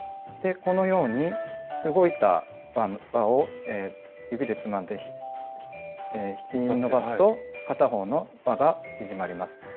このように動いた輪を指でつまんで引き伸ばすと片方の輪が縮まります。